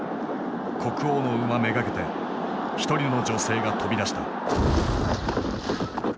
国王の馬目がけて１人の女性が飛び出した。